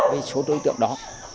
với số đối tượng đó